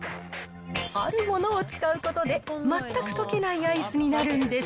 あるものを使うことで、全く溶けないアイスになるんです。